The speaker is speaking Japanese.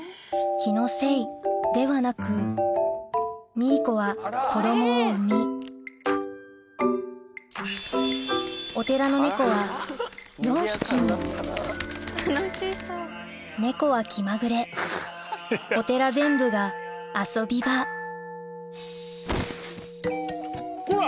気のせいではなくミー子は子供を産みネコは気まぐれお寺全部が遊び場こら！